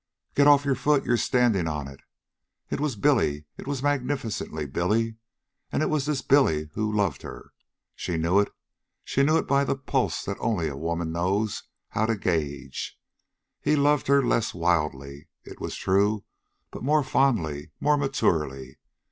"Get off your foot. You're standin' on it." It was Billy! It was magnificently Billy. And it was this Billy who loved her. She knew it. She knew it by the pulse that only a woman knows how to gauge. He loved her less wildly, it was true; but more fondly, more maturely.